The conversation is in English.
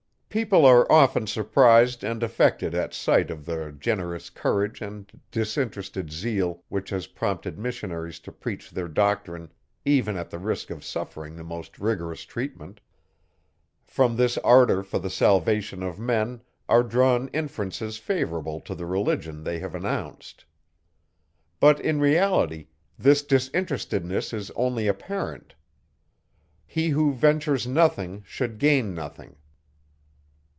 People are often surprised and affected at sight of the generous courage and disinterested zeal, which has prompted missionaries to preach their doctrine, even at the risk of suffering the most rigorous treatment. From this ardour for the salvation of men, are drawn inferences favourable to the religion they have announced. But in reality, this disinterestedness is only apparent. He, who ventures nothing should gain nothing.